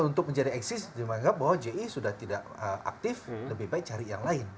untuk menjadi eksis dianggap bahwa ji sudah tidak aktif lebih baik cari yang lain